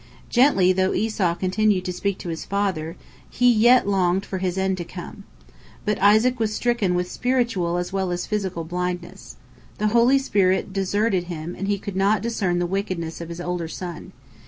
Gently though Esau continued to speak to his father, he yet longed for his end to come. But Isaac was stricken with spiritual as well as physical blindness. The holy spirit deserted him, and he could not discern the wickedness of his older son.